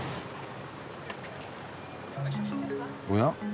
おや？